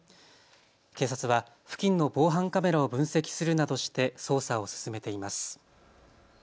警察は付近の防犯カメラを分析するなどして捜査を進めています。